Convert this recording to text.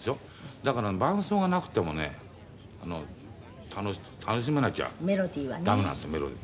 だから伴奏がなくてもね楽しめなきゃダメなんですよメロディー。